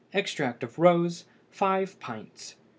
Extract of rose 5 pints.